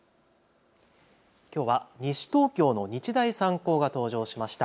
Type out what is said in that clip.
きょうは西東京の日大三高が登場しました。